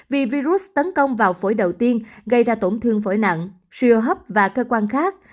vì virus tấn công vào phổi đầu tiên gây ra tổn thương phổi nặng suy hô hấp và cơ quan khác